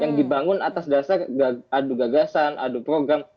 yang dibangun atas dasar adu gagasan adu program